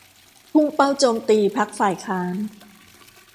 พุ่งเป้าโจมตีพรรคฝ่ายค้าน